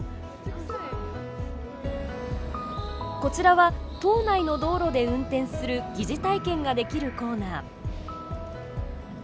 こちらは島内の道路で運転する疑似体験ができるコーナー。